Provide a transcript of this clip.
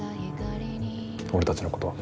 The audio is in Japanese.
俺たちの事は。